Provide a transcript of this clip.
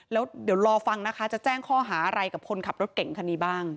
แล้วเดี๋ยวรอฟังนะคะจะแจ้งข้อหาอะไรกับคนขับรถเก่งคันนี้บ้าง